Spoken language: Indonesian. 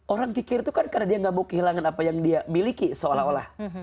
orang kikir itu kan karena dia gak mau kehilangan apa yang dia miliki seolah olah